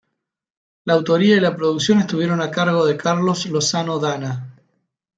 La autoría y la producción estuvieron a cargo de Carlos Lozano Dana.